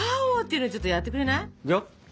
いくよ？